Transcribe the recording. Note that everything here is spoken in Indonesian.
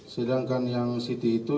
sedangkan yang city itu